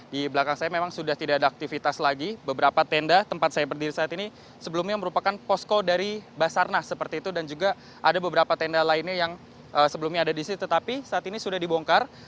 di belakang saya memang sudah tidak ada aktivitas lagi beberapa tenda tempat saya berdiri saat ini sebelumnya merupakan posko dari basarnas seperti itu dan juga ada beberapa tenda lainnya yang sebelumnya ada di sini tetapi saat ini sudah dibongkar